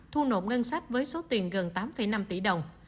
thu nộp ngân sách với số tiền gần tám năm tỷ đồng